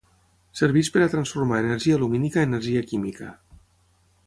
Serveix per a transformar energia lumínica a energia química.